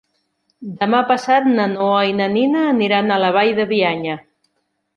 Demà passat na Noa i na Nina aniran a la Vall de Bianya.